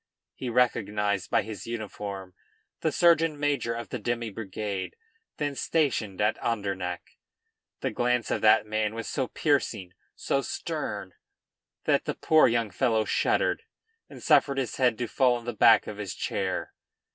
He recognized by his uniform the surgeon major of the demi brigade then stationed at Andernach. The glance of that man was so piercing, so stern, that the poor young fellow shuddered, and suffered his head to fall on the back of his chair.